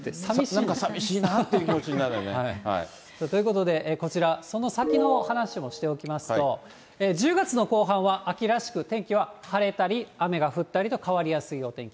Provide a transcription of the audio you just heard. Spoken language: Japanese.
なんかさみしいなという気持ちになりますね。ということで、こちら、その先の話もしておきますと、１０月の後半は秋らしく天気は晴れたり雨が降ったりと、変わりやすいお天気。